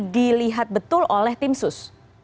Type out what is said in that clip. dilihat betul oleh tim sus